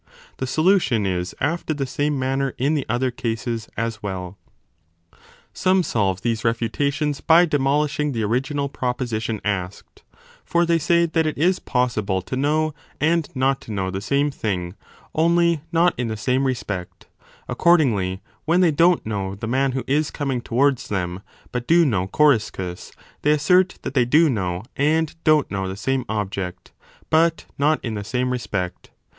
(The solution is after the same manner in the other cases as well.) Some solve these refutations by demolishing the original proposition asked : for they say that it is possible to know and not to know the same thing, only not in the same respect : accordingly, when they don t know the man who is coming towards them, but do know Coriscus, they assert that they do know and don t know the same object, but not 10 1 I79 a 3O. Read (ru/i3<,3a(r^eVro?. 2 Cf. PI. Euthyd. 298 E. i79 b DE SOPHISTICIS ELENCHIS in the same respect.